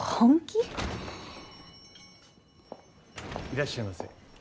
いらっしゃいませ。